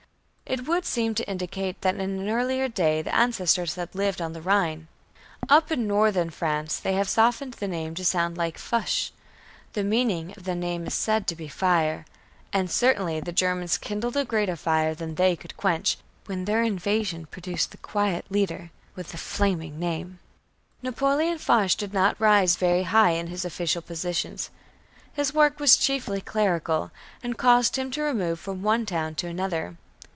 It would seem to indicate that in an earlier day the ancestors had lived on the Rhine. Up in northern France they have softened the name to sound like "Fush." The meaning of the name is said to be "Fire" and certainly the Germans kindled a greater fire than they could quench, when their invasion produced the quiet leader with this flaming name. Napoleon Foch did not rise very high in his official positions. His work was chiefly clerical and caused him to remove from one town to another.